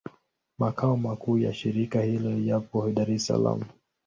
Makao makuu ya shirika hilo yapo Dar es Salaam.